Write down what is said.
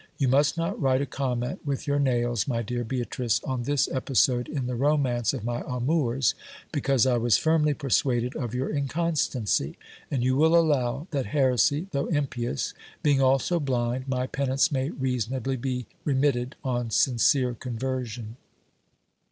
You must not write a comment with your nails, my dear Beatrice, on this episode in the romance of my amours, because I was firmly persuaded of your inconstancy, and you will allow that heresy, though impious, being also blind, my penance may reasonably be remitted on sincere conversion.